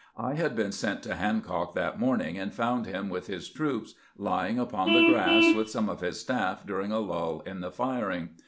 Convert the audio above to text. I had been sent to Hancock that morning, and found him with his troops, lying upon the grass with some of his staff during a lull in the firing.